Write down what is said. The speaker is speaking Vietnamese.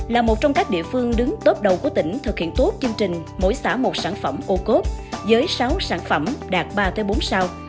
là một trong các địa phương đứng tớp đầu của tỉnh thực hiện tốt chương trình mỗi xã một sản phẩm ô cốt với sáu sản phẩm đạt ba bốn sao